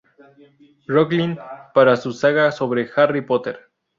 Rowling para su saga sobre Harry Potter.